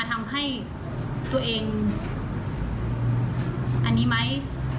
ทำให้ตัวเองอันนี้ไหม